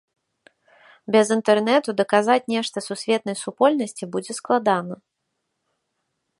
Без інтэрнэту даказаць нешта сусветнай супольнасці будзе складана.